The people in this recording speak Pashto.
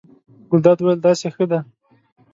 ګلداد وویل: داسې ښه دی.